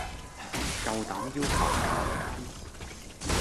夠膽要求減薪